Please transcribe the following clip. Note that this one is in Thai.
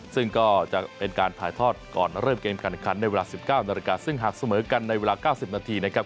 ซึ่งก็จะเป็นการถ่ายทอดก่อนเริ่มเกมการแข่งขันในเวลา๑๙นาฬิกาซึ่งหากเสมอกันในเวลา๙๐นาทีนะครับ